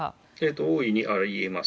大いにあり得ます。